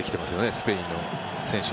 スペインの選手。